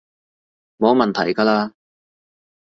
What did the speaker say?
冇問題㗎喇